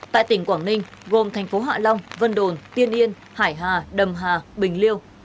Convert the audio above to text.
tại tỉnh quảng ninh gồm thành phố hạ long vân đồn tiên yên hải hà đầm hà bình liêu